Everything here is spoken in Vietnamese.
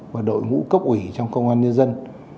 và đội ngũ cấp ủy trong công an nhân dân